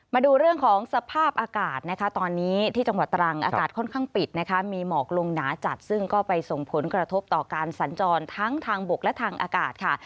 มาดูเรื่องของสภาพอากาศนะคะตอนนี้ที่จังหวัดตรังอากาศค่อนข้างปิดนะคะมีหมอกลงหนาจัดซึ่งก็ไปส่งผลกระทบต่อการสัญจรทั้งทางบกและทางอากาศค่ะ